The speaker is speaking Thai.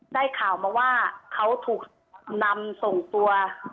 ได้ข่าวมาว่าเขาถูกนำส่งตัว